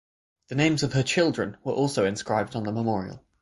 The names of her children were also inscribed on the memorial.